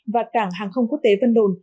và cảng hàng không quốc tế vân đồn